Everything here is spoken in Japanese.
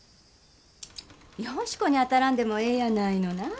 好子に当たらんでもええやないのなぁ。